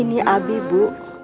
ini abi bu